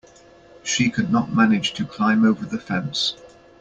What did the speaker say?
She could not manage to climb over the fence.